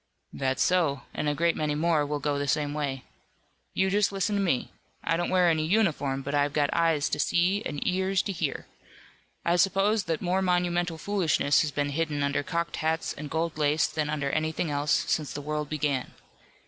"That's so, and a great many more will go the same way. You just listen to me. I don't wear any uniform, but I've got eyes to see and ears to hear. I suppose that more monumental foolishness has been hidden under cocked hats and gold lace than under anything else, since the world began.